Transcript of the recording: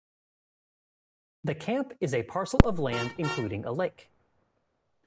The camp is a parcel of land including a lake.